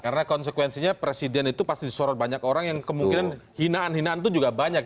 karena konsekuensinya presiden itu pasti disorot banyak orang yang kemungkinan hinaan hinaan tuh juga banyak